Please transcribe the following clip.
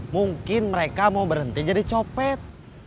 mungkin mereka mau berhenti jadi copet